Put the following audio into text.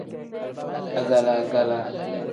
Agala-gala.